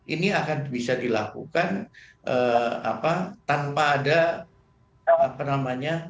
ini akan bisa dilakukan tanpa ada